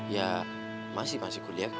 ya masih masih kuliah